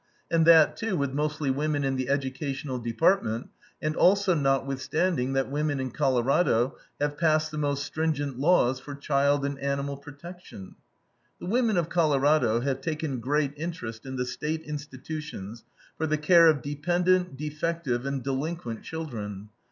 And that, too, with mostly women in the educational department, and also notwithstanding that women in Colorado have passed the "most stringent laws for child and animal protection." The women of Colorado "have taken great interest in the State institutions for the care of dependent, defective, and delinquent children."